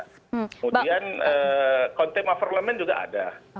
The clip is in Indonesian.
kemudian konteks maverlemen juga ada